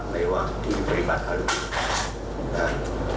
ในวังที่บริบัติอารุณ